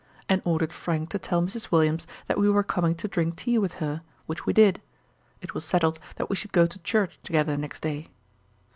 and ordered Frank to tell Mrs. Williams that we were coming to drink tea with her, which we did. It was settled that we should go to church together next day.